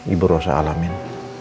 ibu rosa alamin